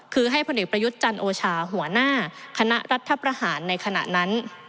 คือให้พลเอกประยุทธ์จันโอชาหัวหน้าคณะรัฐประหารในขณะนั้น